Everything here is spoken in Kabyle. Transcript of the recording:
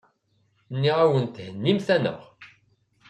Nniɣ-awent hennimt-aneɣ.